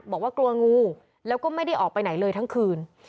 บอกว่ากลัวงูแล้วก็ไม่ได้ออกไปไหนเลยทั้งคืน